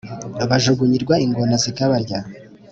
bajugunyirwa ingona zikabarya